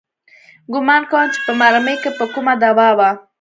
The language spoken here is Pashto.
ګومان کوم چې په مرمۍ کښې به کومه دوا وه.